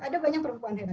ada banyak perempuan hebat